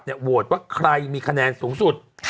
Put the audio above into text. โหวตว่าใครมีคะแนนสูงสุด